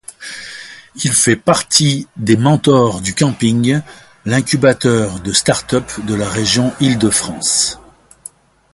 Il fait partie des mentors du 'Camping', l'incubateur de startup de la région Île-de-France.